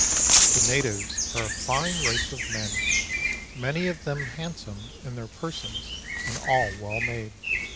The natives are a fine race of men, many of them handsome in; their persons, and all well made.